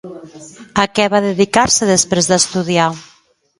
A què va dedicar-se després d'estudiar?